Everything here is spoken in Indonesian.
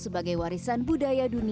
sehingga mereka bisa membuatnya lebih mudah